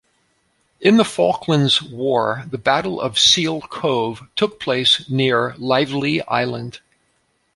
In the Falklands War the Battle of Seal Cove took place near Lively Island.